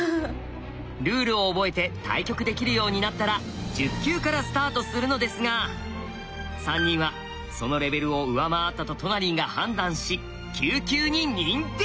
ルールを覚えて対局できるようになったら十級からスタートするのですが３人はそのレベルを上回ったとトナリンが判断し九級に認定！